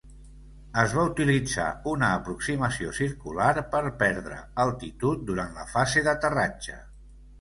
Es va utilitzar una aproximació circular per perdre altitud durant la fase d'aterratge.